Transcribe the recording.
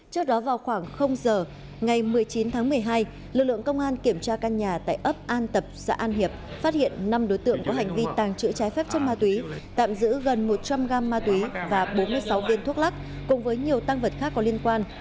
trước đó vào khoảng giờ ngày một mươi chín tháng một mươi hai lực lượng công an kiểm tra căn nhà tại ấp an tập xã an hiệp phát hiện năm đối tượng có hành vi tàng trữ trái phép chất ma túy tạm giữ gần một trăm linh gram ma túy và bốn mươi sáu viên thuốc lắc cùng với nhiều tăng vật khác có liên quan